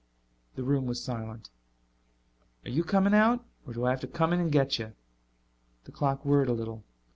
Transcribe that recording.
The room was silent. "Are you coming out? Or do I have to come in and get you?" The clock whirred a little.